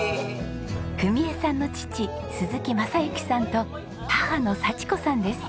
史枝さんの父鈴木正幸さんと母の幸子さんです。